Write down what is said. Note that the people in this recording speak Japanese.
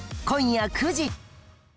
今夜９時。